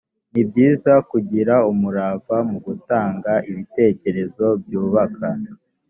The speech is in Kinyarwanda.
ni byiza kugira umurava mu gutanga ibitekerezo byubaka